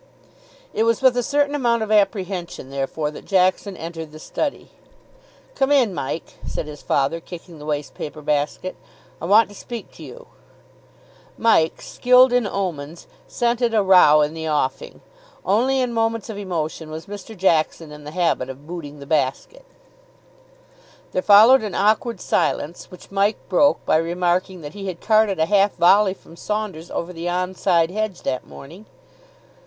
It was with a certain amount of apprehension, therefore, that Jackson entered the study. "Come in, Mike," said his father, kicking the waste paper basket; "I want to speak to you." Mike, skilled in omens, scented a row in the offing. Only in moments of emotion was Mr. Jackson in the habit of booting the basket. There followed an awkward silence, which Mike broke by remarking that he had carted a half volley from Saunders over the on side hedge that morning.